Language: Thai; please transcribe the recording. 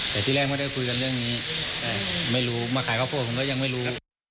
แต่ที่แรกไม่ได้คุยกันเรื่องนี้ไม่รู้มาขายข้าวโพดผมก็ยังไม่รู้